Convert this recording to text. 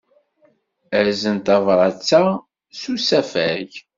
Azen tabṛat-a s usafag.